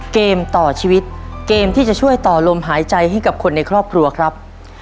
เกมต่อชีวิตเกมที่จะช่วยต่อลมหายใจให้กับคนในครอบครัวครับ